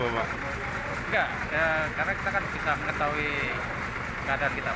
enggak karena kita kan bisa mengetahui keadaan kita